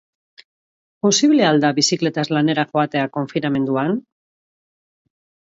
Posible al da bizikletaz lanera joatea konfinamenduan?